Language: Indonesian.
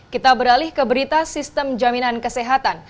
kita beralih ke berita sistem jaminan kesehatan